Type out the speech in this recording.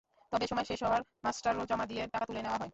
তবে সময় শেষ হওয়ায় মাস্টাররোল জমা দিয়ে টাকা তুলে নেওয়া হয়।